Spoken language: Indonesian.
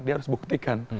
dia harus buktikan